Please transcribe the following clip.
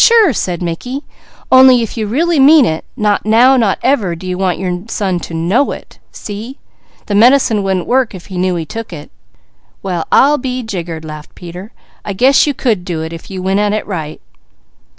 "Sure," said Mickey. "Only, if you really mean it, not now, nor ever, do you want son to know it. See! The medicine wouldn't work, if he knew he took it." "Well I'll be jiggered!" laughed Peter. "I guess you could do it, if you went at it right."